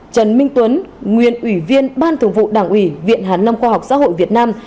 trần minh tuấn nguyên ủy viên ban thường vụ đảng ủy viện hàn lâm khoa học xã hội việt nam